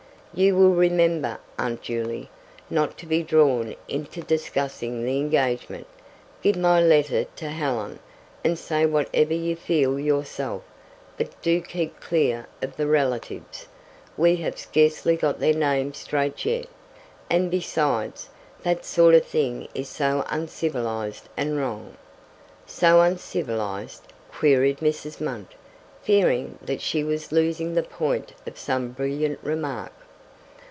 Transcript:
"You will remember, Aunt Juley, not to be drawn into discussing the engagement. Give my letter to Helen, and say whatever you feel yourself, but do keep clear of the relatives. We have scarcely got their names straight yet, and besides, that sort of thing is so uncivilized and wrong. "So uncivilized?" queried Mrs. Munt, fearing that she was losing the point of some brilliant remark.